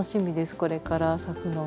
これから咲くのが。